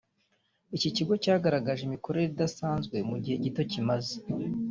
iki kigo cyagaragaje imikorere idasanzwe mu gihe gito kimaze